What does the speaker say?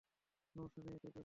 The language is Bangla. সমস্যা নেই, এতেই কাজ হবে।